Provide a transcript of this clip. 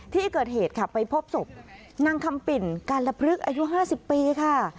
ที่เกิดเหตุค่ะไปพบศพนางคำปิ่นกาลพลึกอายุ๕๐ปีค่ะ